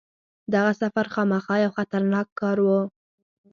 دغه سفر خامخا یو خطرناک کار وو.